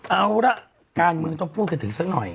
เอาละการเมืองต้องพูดกันถึงสักหน่อย